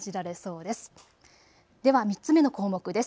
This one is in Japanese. では３つ目の項目です。